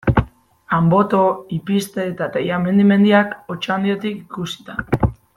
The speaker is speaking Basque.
Anboto, Ipizte eta Tellamendi mendiak, Otxandiotik ikusita.